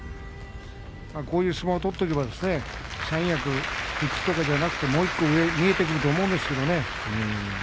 こういう相撲を取っておけば三役どころではなくもう１つ上が見えてくると思うんですけどね。